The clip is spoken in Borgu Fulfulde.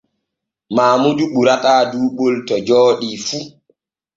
Maamudu ɓurata duuɓol to jooɗi fu.